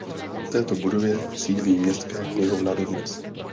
V této budově sídlí "městská" knihovna dodnes.